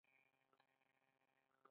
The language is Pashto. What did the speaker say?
ایا کله مو وینه اخیستې ده؟